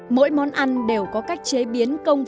mỗi món ăn đều có cách chế biến được nhiều món ngon